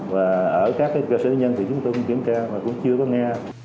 và ở các cái cơ sở nhân thì chúng tôi cũng kiểm tra và cũng chưa có nghe